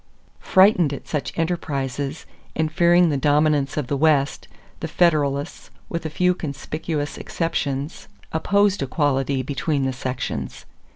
Frightened at such enterprises and fearing the dominance of the West, the Federalists, with a few conspicuous exceptions, opposed equality between the sections.